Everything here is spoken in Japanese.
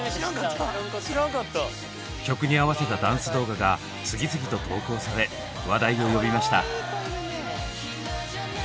曲に合わせたダンス動画が次々と投稿され話題を呼びました。